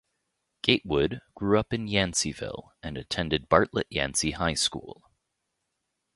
Gatewood grew up in Yanceyville and attended Bartlett Yancey High School.